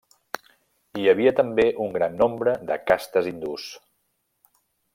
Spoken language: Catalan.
Hi havia també un gran nombre de castes hindús.